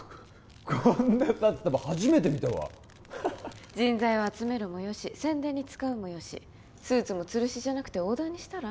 こんな札束初めて見たわ人材を集めるもよし宣伝に使うもよしスーツも吊るしじゃなくてオーダーにしたら？